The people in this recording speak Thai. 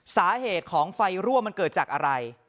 สาเหตุของไฟรั่วมันเกิดจากอะไร